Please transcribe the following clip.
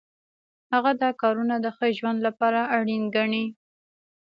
هغه دا کارونه د ښه ژوند لپاره اړین ګڼي.